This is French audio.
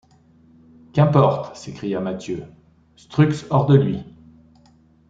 Qu’importe! s’écria Mathieu Strux hors de lui !